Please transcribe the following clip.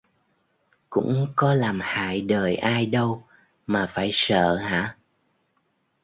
Cũng có làm hại đời ai đâu mà phải sợ hả